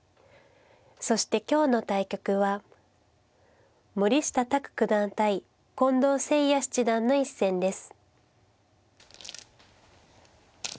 そして今日の対局は森下卓九段対近藤誠也七段の一戦です。